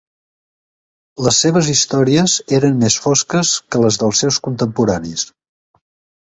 Les seves històries eren més fosques que les dels seus contemporanis.